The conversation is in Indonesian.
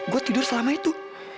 gua tidur selama itu